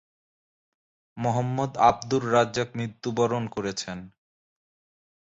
মোহাম্মদ আবদুর রাজ্জাক মৃত্যুবরণ করেছেন।